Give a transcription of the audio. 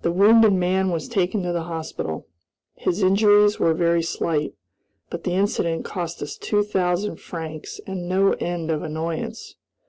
The wounded man was taken to the hospital. His injuries were very slight, but the incident cost us two thousand francs and no end of annoyance.